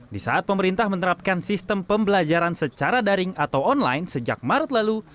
di saat pemerintah menerapkan sistem pembelajaran secara daring atau online sejak maret lalu